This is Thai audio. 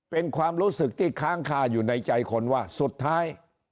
เป็นความรู้สึกที่ค้างคาอยู่ในใจคนว่าสุดท้าย